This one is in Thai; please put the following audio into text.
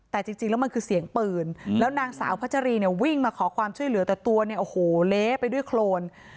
แต่จริงแล้วมันคือเสียงปืนแล้วนางสาวพัชรีเนี่ยวิ่งมาขอความช่วยเหลือแต่ตัวเนี่ยโอ้โหเละไปด้วยโครน